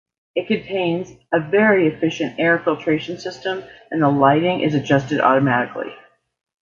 It contains a very efficient air filtration system, and the lighting is adjusted automatically.